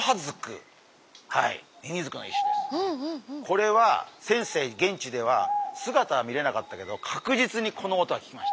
これは先生現地では姿は見れなかったけど確実にこの音は聞きました。